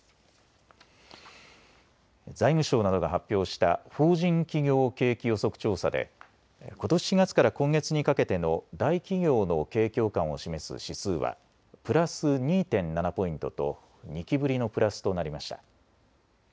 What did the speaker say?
財務省などが発表した法人企業景気予測調査でことし４月から今月にかけての大企業の景況感を示す指数はプラス２．７ポイントと２期ぶりのプラスとなりました。